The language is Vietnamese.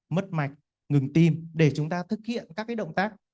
mất mạch ngừng tim để chúng ta thực hiện các động tác